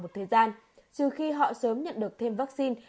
một thời gian trừ khi họ sớm nhận được thêm vaccine